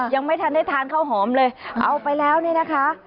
ยังไม่ทันได้ทานข้าวหอมเลยเอาไปแล้วนี่นะคะ